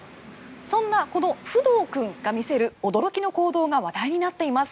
そんな、このフドウ君が見せる驚きの行動が話題になっています。